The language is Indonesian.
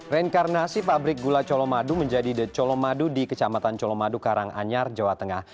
reinkarnasi pabrik gula colomadu menjadi the colomadu di kecamatan colomadu karanganyar jawa tengah